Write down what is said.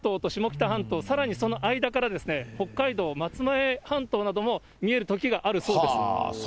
下北半島、さらにその間から、北海道松前半島なども見えるときがあるそうです。